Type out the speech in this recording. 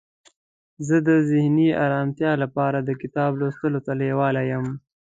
زه د ذهني آرامتیا لپاره د کتاب لوستلو ته لیواله یم.